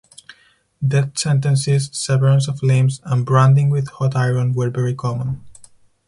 Death sentences, severance of limbs and branding with hot iron were very common.